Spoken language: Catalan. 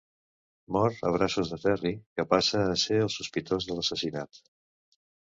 Mor a braços de Terry, que passa a ser el sospitós de l'assassinat.